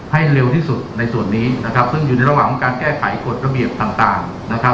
ให้เร็วที่สุดในส่วนนี้นะครับซึ่งอยู่ในระหว่างการแก้ไขกฎระเบียบต่างนะครับ